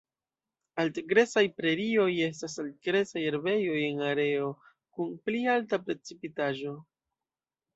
Alt-gresaj prerioj estas alt-gresaj herbejoj en areoj kun pli alta precipitaĵo.